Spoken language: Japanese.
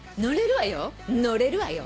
乗れるわよ。